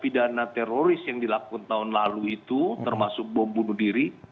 pidana teroris yang dilakukan tahun lalu itu termasuk bom bunuh diri